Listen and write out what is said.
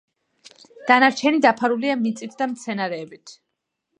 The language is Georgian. დანარჩენი დაფარულია მიწით და მცენარეებით.